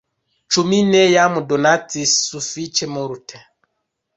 Ĉu mi ne jam donacis sufiĉe multe!"